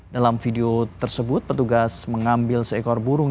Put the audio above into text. dalam video tersebut petugas mengambil seekor burung